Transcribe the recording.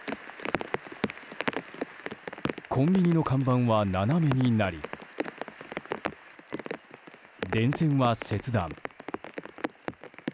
コンビニの看板は斜めになり電線は切断。